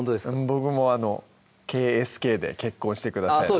僕もあの「ＫＳＫ」で「結婚してください」